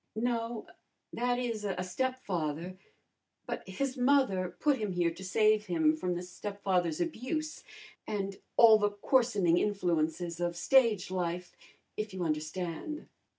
"No that is, a stepfather. But his mother put him here to save him from the stepfather's abuse, and and all the coarsening influences of stage life, if you understand."